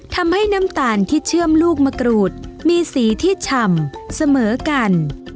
ทำให้น้ำตาลที่เชื่อมลูกมะกรูดมีสีที่ฉ่ำเสมอกัน